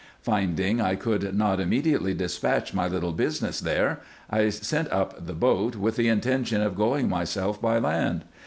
Finding I could not immediately despatch my little business there, I sent up the boat, with the intention of going myself by land.